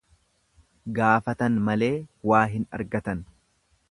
Gaafatan malee waa hin argatan.